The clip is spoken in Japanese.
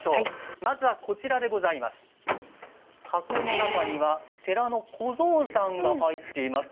まずは箱の中には寺の小僧さんが入っています。